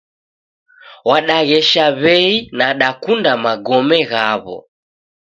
Wadaghesha wei nadakunda magome ghaw'o